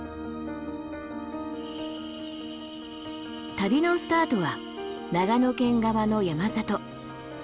旅のスタートは長野県側の山里。